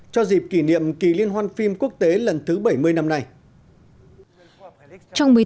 cho dịp kỷ niệm kỳ liên hoan phim quốc tế lần thứ bảy mươi năm nay